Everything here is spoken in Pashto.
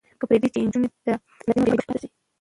مه پرېږدئ چې نجونې له تعلیمه بې برخې پاتې شي.